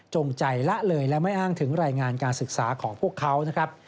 ใจละเลยและไม่อ้างถึงรายงานการศึกษาของพวกเขานะครับ